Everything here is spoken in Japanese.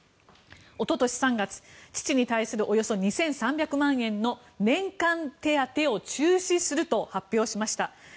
一昨年３月、父に対するおよそ２３００万円の年間手当を中止すると発表しました。